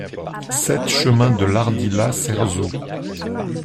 sept chemin de l'Ardila Cerzeau